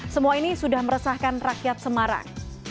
semua ini sudah meresahkan rakyat semarang